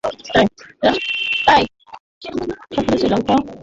রাষ্ট্রীয় সফরে শ্রীলঙ্কায় থাকা নওয়াজ শরিফ কলম্বো থেকে গতকাল বিকেলে মোদিকে ফোন করেন।